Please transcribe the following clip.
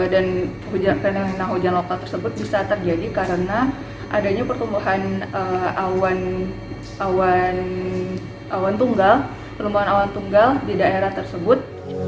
dan penyelena hujan lokal tersebut bisa terjadi karena adanya pertumbuhan awan tunggal di daerah tersebut